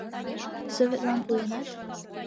Советлан пуэнат?!